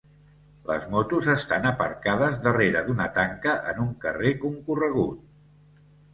Les motos estan aparcades darrere d'una tanca en un carrer concorregut.